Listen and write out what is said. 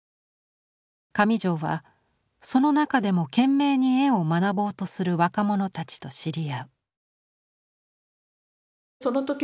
上條はその中でも懸命に絵を学ぼうとする若者たちと知り合う。